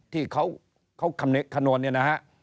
ที่เขาคำเน็ตคำนวณเนี่ยนะฮะ